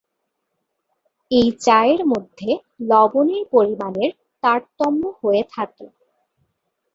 এই চায়ের মধ্যে লবণের পরিমানের তারতম্য হয়ে থাকে।